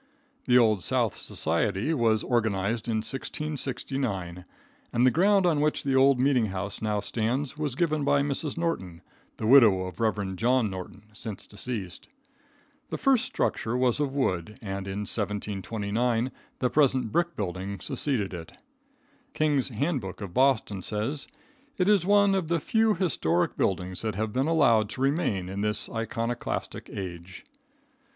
The Old South Society was organized in 1669, and the ground on which the old meetinghouse now stands was given by Mrs. Norton, the widow of Rev. John Norton, since deceased. The first structure was of wood, and in 1729 the present brick building succeeded it. King's Handbook of Boston says: "It is one of the few historic buildings that have been allowed to remain in this iconoclastic age."